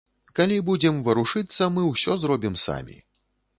Калі будзем варушыцца, мы ўсё зробім самі.